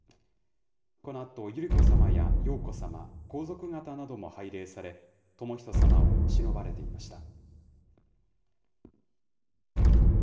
このあと、百合子さまや瑶子さま、皇族方なども拝礼され、ともひとさまをしのばれていました。